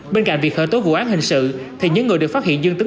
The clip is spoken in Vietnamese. bên cạnh việc khởi tố vụ án hình sự thì những người được phát hiện dương tính